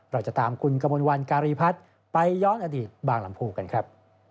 เราจะตามคุณกมลวันการีพัฒน์ไปย้อนอดีตบางลำภูกันครับ